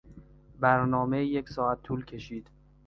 برنامه یک ساعت طول کشید.